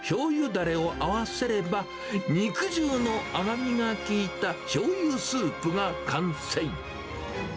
だれを合わせれば、肉汁の甘みが効いたしょうゆスープが完成。